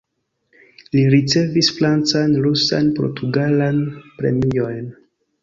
Li ricevis francan, rusan, portugalan premiojn.